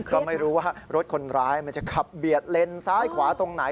ก็ไม่รู้ว่ารถคนร้ายมันจะขับเบียดเลนซ้ายขวาตรงไหน